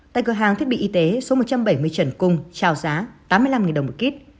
tại cửa hàng thiết bị y tế số một trăm bảy mươi trần cung trào giá tám mươi năm đồng một kíp